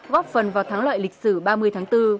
góp phần vào tháng loại lịch sử ba mươi tháng bốn